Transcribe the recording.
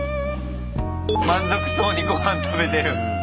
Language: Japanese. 満足そうにごはん食べてる。